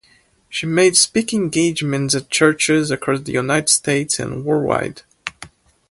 She made speaking engagements at churches across the United States and worldwide.